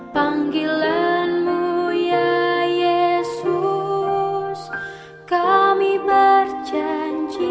pada muka kami serahkan